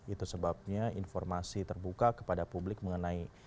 itu sebabnya informasi terbuka kepada publik mengenai